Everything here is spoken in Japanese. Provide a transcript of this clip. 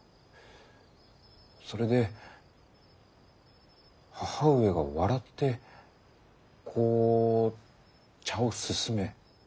それで母上が笑ってこう茶をすすめ。